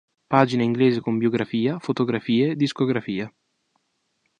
Pagina inglese con biografia, fotografie, discografia